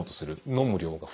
飲む量が増える。